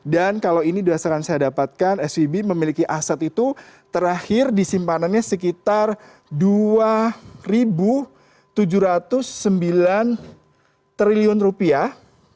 dan kalau ini dasarkan saya dapatkan svb memiliki aset itu terakhir disimpanannya sekitar dua tujuh ratus sembilan triliun rupiah